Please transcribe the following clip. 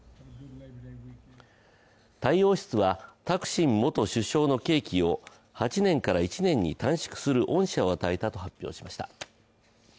タイ王室はタクシン元首相の刑期を８年から１年に短縮する恩赦を与えたと発表しました。